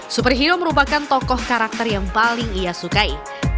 superhero merupakan tokoh karakter yang paling ia sukai